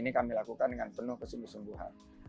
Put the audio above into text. dan ini kami lakukan dengan penuh kesembuhan